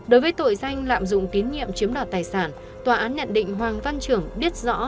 đối với tội danh lạm dụng tín nhiệm chiếm đoạt tài sản tòa án nhận định hoàng văn trưởng biết rõ